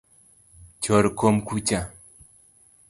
Chor kom kucha